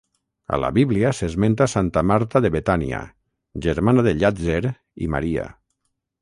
A la Bíblia s'esmenta Santa Marta de Betània, germana de Llàtzer i Maria.